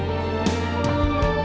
jangan lupa untuk mencoba